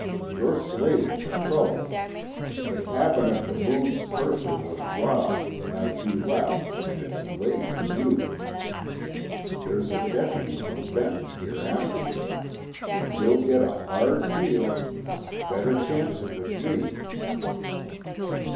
"You're slated for trouble. The cabin of the Moon's purser was robbed the night you left, and it's laid to you. There's a deputy from Benton here after you. You'll get a hard deal. Better chance it with me."